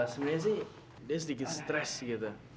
sebenarnya sih dia sedikit stress gitu